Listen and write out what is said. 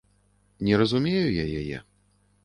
Не разумею я яе.